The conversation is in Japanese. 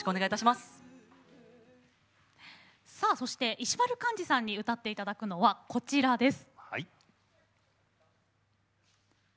石丸幹二さんに歌っていただくのはこちらです。